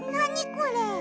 これ。